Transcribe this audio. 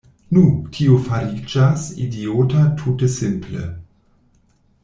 Nu, tio fariĝas idiota tute simple.